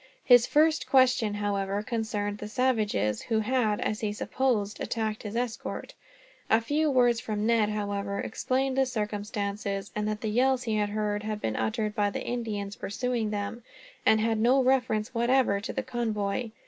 His first question, however, concerned the savages who had, as he supposed, attacked his escort. A few words from Ned, however, explained the circumstances; and that the yells he had heard had been uttered by the Indians pursuing them, and had no reference, whatever, to the convoy.